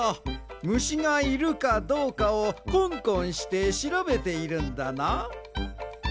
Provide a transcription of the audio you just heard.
むしがいるかどうかをコンコンしてしらべているんだな。